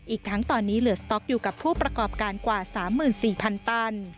อีกทั้งตอนนี้เหลือสต๊อกอยู่กับผู้ประกอบการกว่า๓๔๐๐๐ตัน